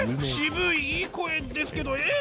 渋いいい声ですけどえっ？